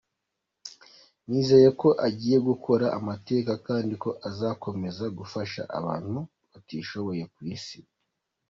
Nizeye ko agiye gukora amateka kandi ko azakomeza gufasha abantu batishoboye ku Isi.